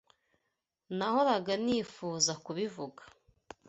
Nahoraga nifuza kubivuga.